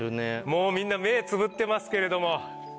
もうみんな目つぶってますけれども。